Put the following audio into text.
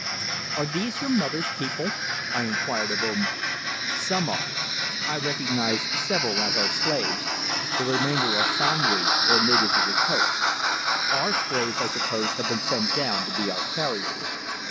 "Are these your mother's people?" I inquired of Omar. "Some are. I recognize several as our slaves, the remainder are Sanwi, or natives of the coast. Our slaves, I suppose, have been sent down to be our carriers."